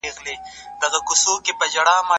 بازار ته د توکو عرضه زیاته کړئ.